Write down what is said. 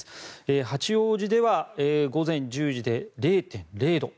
八王子では午前１０時で０．０度。